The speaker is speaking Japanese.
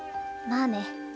まあね。